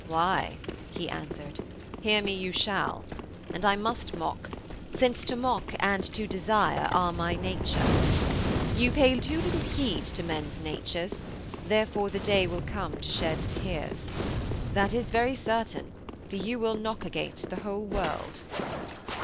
'Why,' he answered, 'hear me you shall. And I must mock, since to mock and to desire are my nature. You pay too little heed to men's natures, therefore the day will come to shed tears. That is very certain, for you will knock against the whole world.'